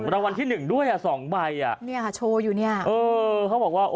รวันที่๑ด้วยอ่ะ๒ใบอ่ะ